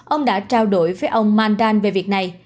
ông đã trao đổi với ông mandan về việc này